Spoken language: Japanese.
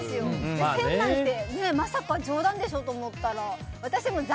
１０００なんてまさか冗談でしょと思ったの。